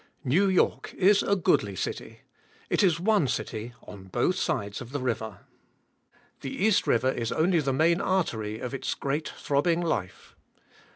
New York is a goodly city. It is one city on both sides of the river. The East River is only the main artery of its great throbbing life.